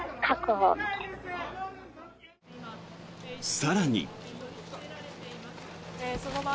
更に。